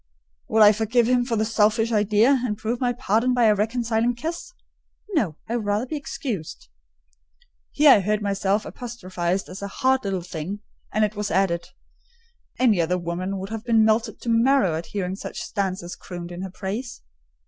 "Would I forgive him for the selfish idea, and prove my pardon by a reconciling kiss?" "No: I would rather be excused." Here I heard myself apostrophised as a "hard little thing;" and it was added, "any other woman would have been melted to marrow at hearing such stanzas crooned in her praise."